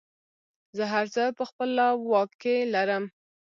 زه هر څه په خپله واک کې لرم.